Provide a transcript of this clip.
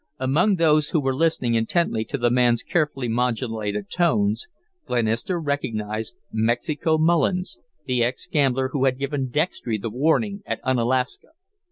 Among those who were listening intently to the man's carefully modulated tones, Glenister recognized Mexico Mullins, the ex gambler who had given Dextry the warning at Unalaska.